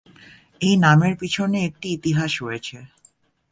এই নামের পিছনে একটি ইতিহাস রয়েছে।